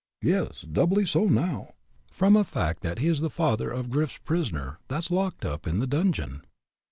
"Yes. Doubly so now, from a fact that he is the father of Grif's prisoner, that's locked up in the dungeon."